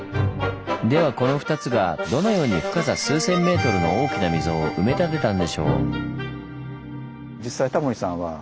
ではこの２つがどのように深さ数千ｍの大きな溝を埋め立てたんでしょう？